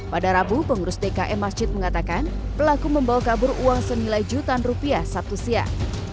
pada rabu pengurus dkm masjid mengatakan pelaku membawa kabur uang senilai jutaan rupiah sabtu siang